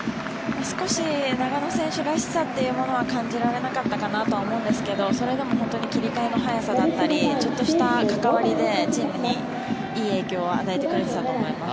少し長野選手らしさというものは感じられなかったかなと思うんですがそれでも切り替えの速さだったりちょっとした関わりでチームにいい影響を与えてくれていたと思います。